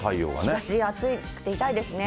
日ざし暑くて痛いですね。